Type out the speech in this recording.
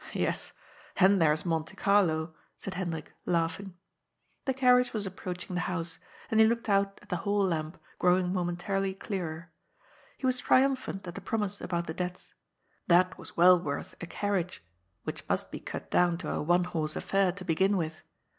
^^ Yes ; and there is Monte Carlo," said Hendrik, laugh ing. The carriage was approaching the house, and he looked out at the hall lamp growing momentarily clearer. He was triumphant at the promise about the debts. That was well worth a carriage, which must be cut down to a one horse affair to begin with.